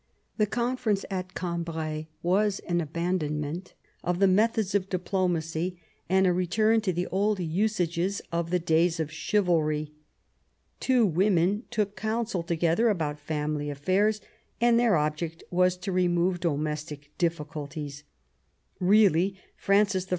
The conference at Cambrai was an aban donment of the methods of diplomacy and a return to the old usages of the days of chivalry. Two women took counsel together about family affairs, and their object was to remove domestic difficulties. Eeally Francis I.